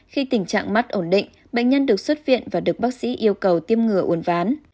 khi tình trạng mắt ổn định bệnh nhân được xuất viện và được bác sĩ yêu cầu tiêm ngừa uốn ván